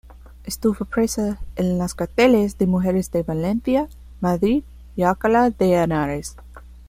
Estuvo presa en las cárceles de mujeres de Valencia, Madrid y Alcalá de Henares.